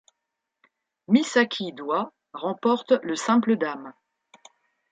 Misaki Doi remporte le simple dames.